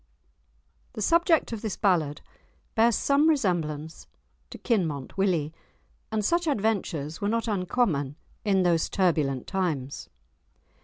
The subject of this ballad bears some resemblance to Kinmont Willie, and such adventures were not uncommon in those turbulent times.